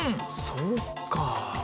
そっか。